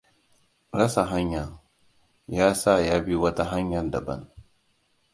Rasa hanya, ya sa ya bi wata hanyar da ban.